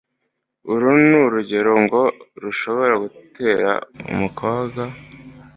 Uru ni urugero ngo rushobora gutera umukobwa